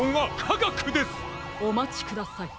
おまちください。